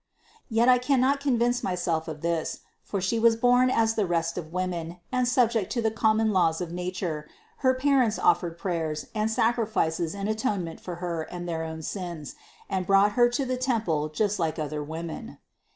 691. "Yet I cannot convince myself of this; for She was born as the rest of women, and subject to the com mon laws of nature, her parents offered prayers and sacrifices in atonement for Her and their own sins, and brought Her to the temple just like other women.